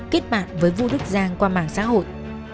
kết bạn với vũ đức giang qua mạng xã hội